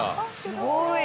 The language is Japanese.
すごい。